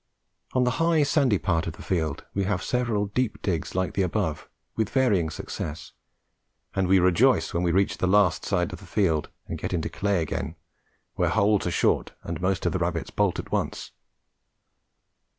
On the high sandy part of the field we have several deep digs like the above, with varying success, and we rejoice when we reach the last side of the field and get into clay again, where holes are short and most of the rabbits bolt at once.